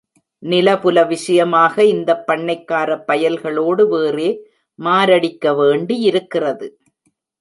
நிலபுல விஷயமாக இந்தப் பண்ணைக்காரப் பயல்களோடு வேறே மாரடிக்க வேண்டியதாயிருக்கிறது.